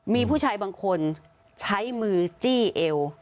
มีผู้ชายบางคนใช้มือจี้เอว